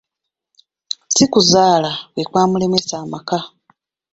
Si kuzaala kwe kwamulesa amaka.